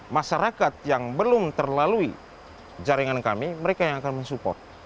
masyarakat yang belum terlalui jaringan kami mereka yang akan mensupport